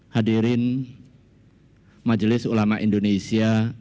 hadirin majelis ulama indonesia